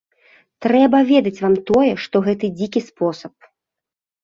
Трэба ведаць вам тое, што гэта дзікі спосаб.